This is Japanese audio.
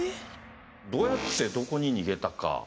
どうやってどこに逃げたか。